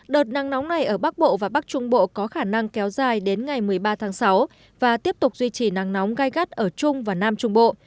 đợt nắng nóng này ở bắc bộ và bắc trung bộ có khả năng kéo dài đến ngày một mươi ba tháng sáu và tiếp tục duy trì nắng nóng gai gắt ở trung và nam trung bộ